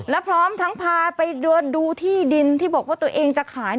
แล้วพร้อมทั้งพาไปดูที่ดินที่บอกว่าตัวเองจะขาย